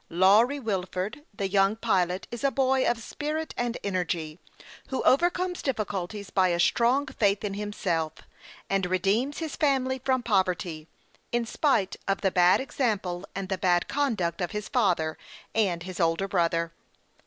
Lawry "VVilford, the young pilot, is a boy of spirit and energy, who overcomes difficulties by a strong faith in himself, and redeems his family from poverty, in spite of the bad example and the bad conduct of his father and his older brother.